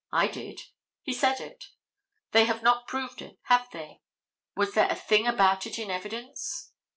I did. He said it. They have not proved it, have they? Was there a thing about it in the evidence?